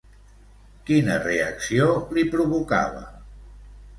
Quina reacció li provocava?